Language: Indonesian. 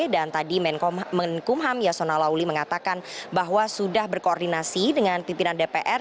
dan tadi menkumham yasona lauli mengatakan bahwa sudah berkoordinasi dengan pimpinan dpr